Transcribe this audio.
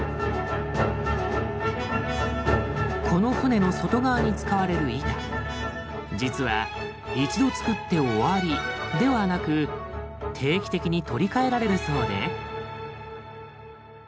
この船の外側に使われる板実は一度つくって終わりではなく定期的に取り替えられるそうで。